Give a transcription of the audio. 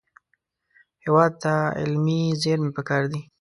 هېواد ته علمي زېرمې پکار دي